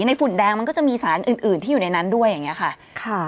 ฝุ่นแดงมันก็จะมีสารอื่นที่อยู่ในนั้นด้วยอย่างนี้ค่ะ